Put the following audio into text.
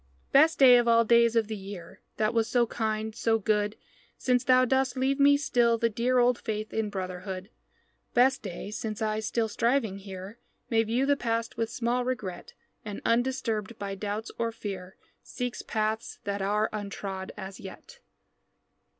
Best day of all days of the year, That was so kind, so good, Since thou dost leave me still the dear Old faith in brotherhood Best day since I, still striving here, May view the past with small regret, And, undisturbed by doubts or fear, Seeks paths that are untrod as yet.